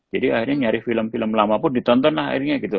jadi akhirnya nyari film film lama pun ditonton lah akhirnya gitu